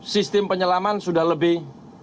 sistem penyelaman sudah lebih